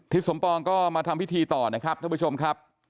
สมปองก็มาทำพิธีต่อนะครับท่านผู้ชมครับ